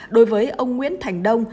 đối với ông nguyễn thành đông